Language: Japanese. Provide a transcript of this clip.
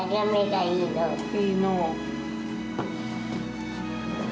いいのう。